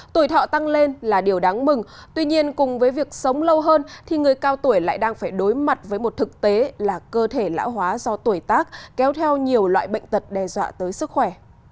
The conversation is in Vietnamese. tuổi thọ tăng lên là điều đáng mừng tuy nhiên cùng với việc sống lâu hơn thì người cao tuổi lại đang phải đối mặt với một thực tế là cơ thể lão hóa do tuổi tác kéo theo nhiều loại bệnh tật đe dọa tới sức khỏe